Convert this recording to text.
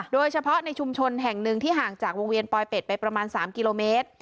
โดยเฉพาะในชุมชนแห่งหนึ่งที่ห่างจากวงเวียนปลอยเป็ดไปประมาณ๓กิโลเมตร